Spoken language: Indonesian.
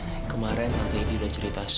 siapa rupanya punts